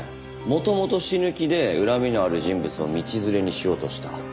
元々死ぬ気で恨みのある人物を道連れにしようとした。